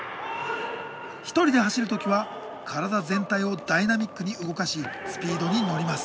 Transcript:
１人で走る時は体全体をダイナミックに動かしスピードに乗ります。